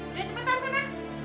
udah cepetan sana